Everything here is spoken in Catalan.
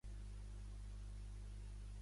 La fortalesa disposava d'aljubs.